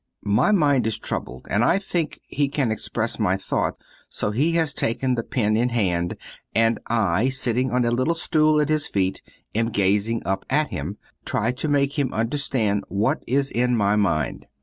My mind is troubled and I think he can express my thought, so he has taken the pen in hand, and I, sitting on a little stool at his feet, and gazing up at him, try to make him understand what is in my mind.